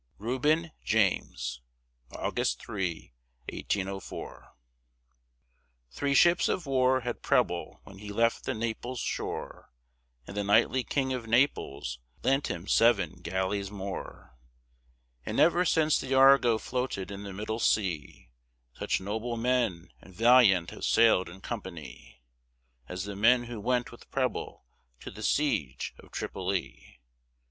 REUBEN JAMES [August 3, 1804] Three ships of war had Preble when he left the Naples shore, And the knightly king of Naples lent him seven galleys more, And never since the Argo floated in the middle sea Such noble men and valiant have sailed in company As the men who went with Preble to the siege of Tripoli.